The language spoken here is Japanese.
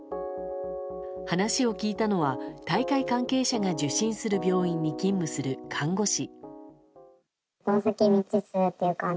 話を聞いたのは大会関係者が受診する病院に勤務する看護師。